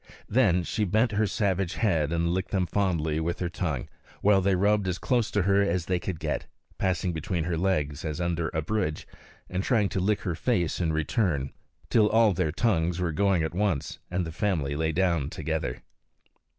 Then she bent her savage head and licked them fondly with her tongue, while they rubbed as close to her as they could get, passing between her legs as under a bridge, and trying to lick her face in return; till all their tongues were going at once and the family lay down together.